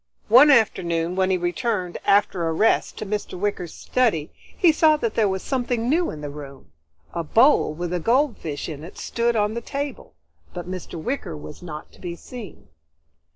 One afternoon when he returned, after a rest, to Mr. Wicker's study, he saw that there was something new in the room. A bowl with a goldfish in it stood on the table, but Mr. Wicker was not to be seen.